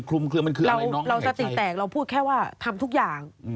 เราสติแตกเราพูดแค่ว่าทำทุกอย่าง